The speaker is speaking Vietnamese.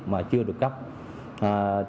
mà chưa được cập nhật